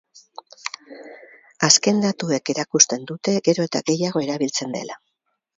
Azken datuek erakusten dute gero eta gehiago erabiltzen dela.